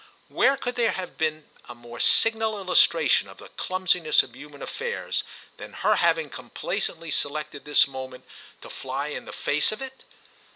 Where could there have been a more signal illustration of the clumsiness of human affairs than her having complacently selected this moment to fly in the face of it?